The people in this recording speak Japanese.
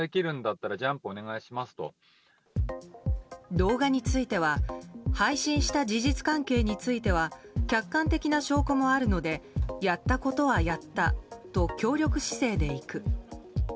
動画については配信した事実関係については客観的な証拠もあるのでやったことはやったと協力姿勢でいく。